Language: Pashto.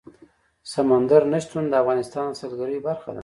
سمندر نه شتون د افغانستان د سیلګرۍ برخه ده.